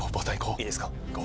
いいですか？